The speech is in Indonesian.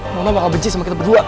mama bakal benci sama kita berdua